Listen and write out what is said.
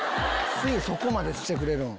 ついにそこまでしてくれるん？